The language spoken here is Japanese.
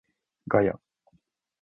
ガヤ